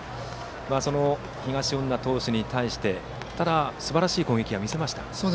その東恩納投手に対してただすばらしい攻撃は見せました。